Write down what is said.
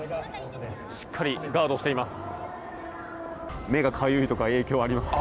しっかりガードしています。